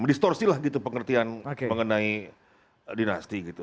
mendistorsi lah gitu pengertian mengenai dinasti gitu